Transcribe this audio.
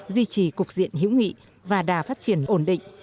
duy trì cục diện hữu nghị và đà phát triển ổn định